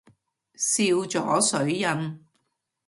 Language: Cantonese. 笑咗水印